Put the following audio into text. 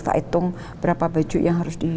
tak hitung berapa baju yang harus di